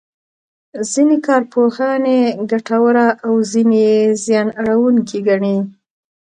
ځینې کارپوهان یې ګټوره او ځینې یې زیان اړوونکې ګڼي.